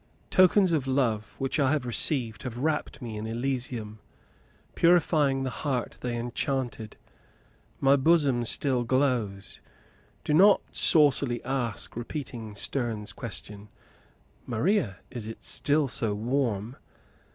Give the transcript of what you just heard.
Tokens of love which I have received have wrapped me in Elysium, purifying the heart they enchanted. My bosom still glows. Do not saucily ask, repeating Sterne's question, "Maria, is it still so warm?"